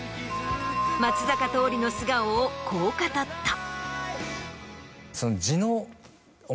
松坂桃李の素顔をこう語った。